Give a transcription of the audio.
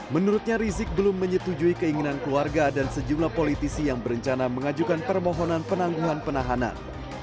menurutnya rizik belum menyetujui keinginan keluarga dan sejumlah politisi yang berencana mengajukan permohonan penangguhan penahanan